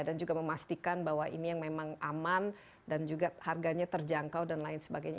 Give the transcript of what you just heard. dan juga memastikan bahwa ini yang memang aman dan juga harganya terjangkau dan lain sebagainya